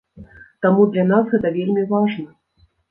Таму для нас гэта вельмі важна!